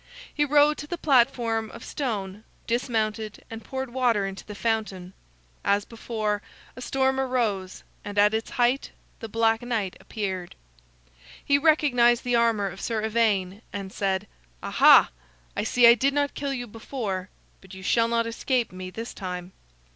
He rode to the platform of stone, dismounted and poured water into the fountain. As before, a storm arose, and at its height the Black Knight appeared. He recognized the armor of Sir Ivaine, and said: "Aha! I see I did not kill you before, but you shall not escape me this time."